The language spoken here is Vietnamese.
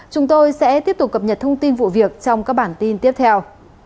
chúng tôi sẽ tiếp tục cập nhật thông tin vụ việc trong các bản tin tiếp theo